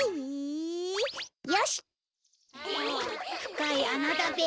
ふかいあなだべ。